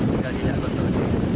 juga tidak kotor